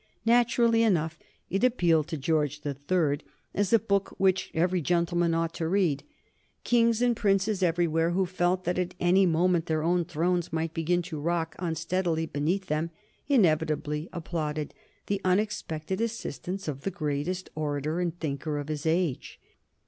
Naturally enough it appealed to George the Third as a book which every gentleman ought to read. Kings and princes everywhere, who felt that at any moment their own thrones might begin to rock unsteadily beneath them, inevitably applauded the unexpected assistance of the greatest orator and thinker of his age.